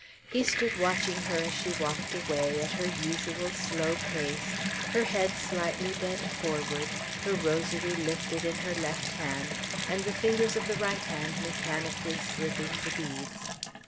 He stood watching her as she walked away, at her usual slow pace, her head slightly bent forward, her rosary lifted in her left hand, and the fingers of the right hand mechanically slipping the beads.